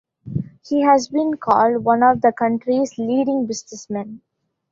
He has been called "one of the country's leading businessmen".